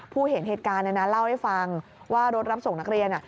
เห็นเหตุการณ์เล่าให้ฟังว่ารถรับส่งนักเรียน